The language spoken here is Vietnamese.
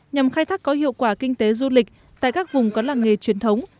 nhằm khai thác có hiệu quả kinh tế du lịch tại các vùng có làng nghề truyền thống